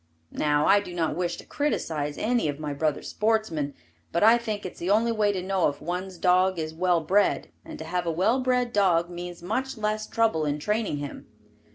Now I do not wish to criticize any of my brother sportsmen, but I think it is the only way to know if one's dog is well bred, and to have a well bred dog means much less trouble in training him.